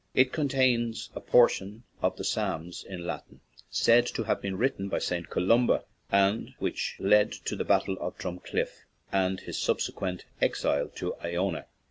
It contains a portion of the Psalms in Latin, said to have been written by St. Columba and which led to the battle of Drumcliff and his subsequent exile to Iona.